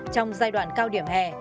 trong giai đoạn cao điểm hè